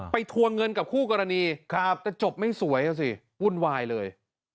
ทวงเงินกับคู่กรณีแต่จบไม่สวยอ่ะสิวุ่นวายเลย